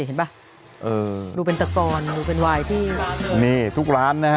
เห็นป่ะเออดูเป็นตะกอนดูเป็นวายที่นี่ทุกร้านนะฮะ